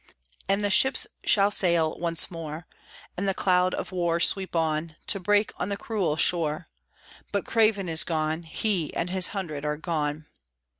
And the ships shall sail once more, And the cloud of war sweep on To break on the cruel shore; But Craven is gone, He and his hundred are gone.